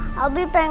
iya ama jadi bangunan